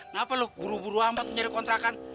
napa lo buru buru amat mencari kontrakan